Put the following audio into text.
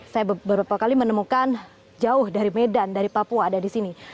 saya beberapa kali menemukan jauh dari medan dari papua ada di sini